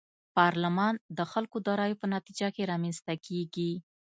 پارلمان د خلکو د رايو په نتيجه کي رامنځته کيږي.